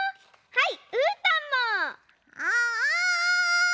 はい。